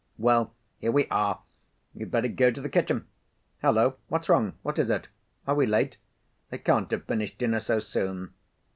Well, here we are. You'd better go to the kitchen. Hullo! what's wrong, what is it? Are we late? They can't have finished dinner so soon!